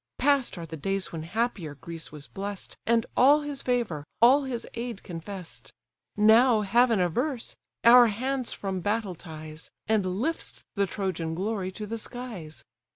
Past are the days when happier Greece was blest, And all his favour, all his aid confess'd; Now heaven averse, our hands from battle ties, And lifts the Trojan glory to the skies.